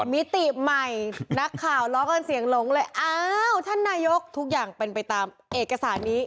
มิติใหม่นักข่าวล้อกันเสียงหลงเลยอ้าวท่านนายกทุกอย่างเป็นไปตามเอกสารนี้